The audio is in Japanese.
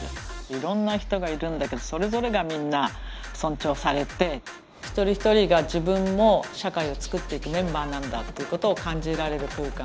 いろんな人がいるんだけどそれぞれがみんな尊重されて一人一人が自分も社会をつくっていくメンバーなんだっていうことを感じられる空間。